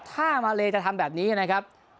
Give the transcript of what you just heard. ถ้ามาเลจะทำแบบนี้นะครับ